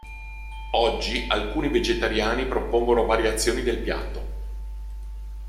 Oggi alcuni vegetariani propongono variazioni del piatto.